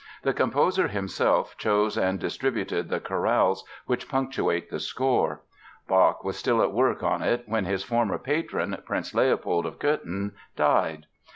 The composer himself chose and distributed the chorales which punctuate the score. Bach was still at work on it when his former patron, Prince Leopold of Cöthen, died.